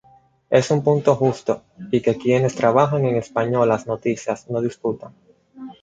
Es un punto justo y que quienes trabajan en españolas noticias no disputan.